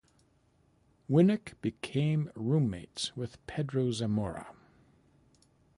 Winick became roommates with Pedro Zamora.